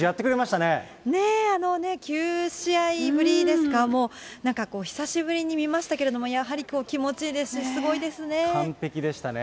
９試合ぶりですか、もうなんか久しぶりに見ましたけれども、やはり気持ちいいですし、完璧でしたね。